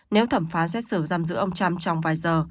nếu thẩm phá xét xử giam giữ ông trump trong vài giờ